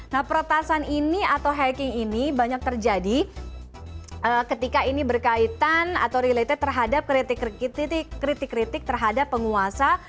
nah peretasan ini atau hacking ini banyak terjadi ketika ini berkaitan atau related terhadap kritik kritik terhadap penguasa